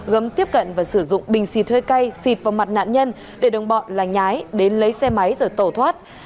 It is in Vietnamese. gấm tiếp cận và sử dụng bình xịt hơi cay xịt vào mặt nạn nhân để đồng bọn là nhái đến lấy xe máy rồi tẩu thoát